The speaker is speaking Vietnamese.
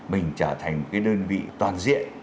mình trở thành cái đơn vị toàn diện